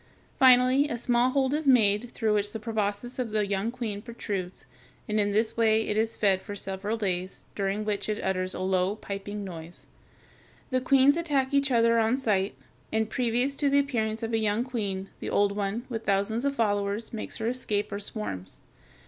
Finally a small hole is made, through which the proboscis of the young queen protrudes, and in this way it is fed for several days, during which it utters a low, piping noise. The queens attack each other on sight, and previous to the appearance of a young queen the old one, with thousands of followers, makes her escape, or swarms.